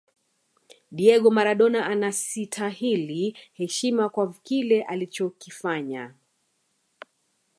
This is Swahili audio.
diego maradona anasitahili heshima kwa kile alichokifanya